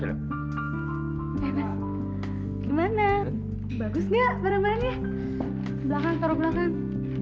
gimana bagusnya barangnya belakang belakang ya bagus